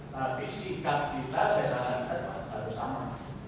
tapi sikap kita sesangkan ke akun baru sama